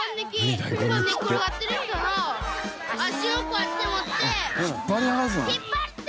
寝転がってる人の足をこうやって持って引っ張って引っ張る。